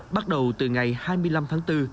bắt đầu từ ngày hai mươi năm tháng bốn